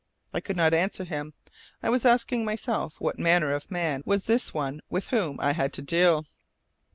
I could not answer him. I was asking myself what manner of man was this one with whom I had to deal.